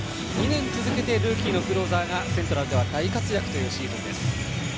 ２年続けてルーキーのクローザーがセントラルでは大活躍というシーズンです。